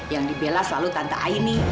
yang dibela selalu tante aini